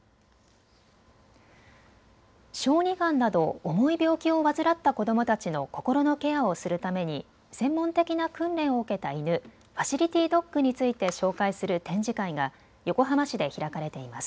小児がんなど重い病気を患った子どもたちの心のケアをするために専門的な訓練を受けた犬、ファシリティドッグについて紹介する展示会が横浜市で開かれています。